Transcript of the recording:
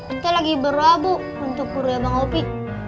kita lagi berobu untuk kuria bang opi